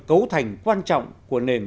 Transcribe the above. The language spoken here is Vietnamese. cấu thành quan trọng của nền